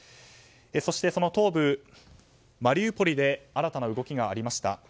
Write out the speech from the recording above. そして、その東部マリウポリで新たな動きがありました。